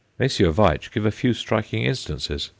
Messrs. Veitch give a few striking instances.